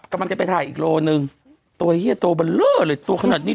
กำลังจะไปถ่ายอีกโลว์หนึ่งตัวหี้ยแล้วตัวเบลอเลยตัวขนาดนี้